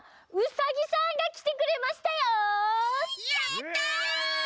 やった！